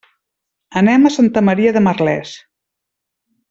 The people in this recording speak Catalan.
Anem a Santa Maria de Merlès.